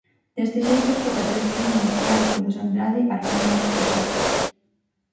Deste xeito, co patrocinio laico dos Andrade arranca o noso proxecto.